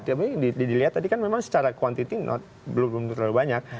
tapi dilihat tadi kan memang secara quantiti note belum terlalu banyak